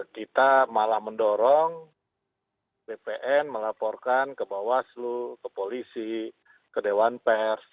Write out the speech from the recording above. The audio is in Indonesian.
kita malah mendorong bpn melaporkan ke bawaslu ke polisi ke dewan pers